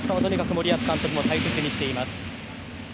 森保監督も大切にしています。